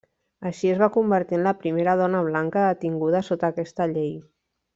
Així es va convertir en la primera dona blanca detinguda sota aquesta llei.